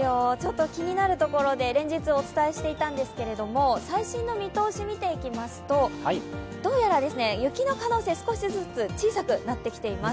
気になるところで連日お伝えしていたんですけど最新の見通しを見ていきますとどうやら雪の可能性、少しずつ小さくなってきています。